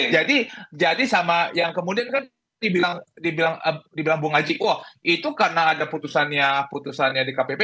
jadi jadi sama yang kemudian kan dibilang bung acik wah itu karena ada putusannya dkpp